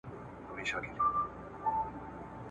زه او ته به هم په لاره کي یاران سو ,